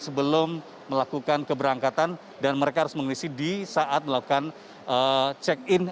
sebelum melakukan keberangkatan dan mereka harus mengisi di saat melakukan check in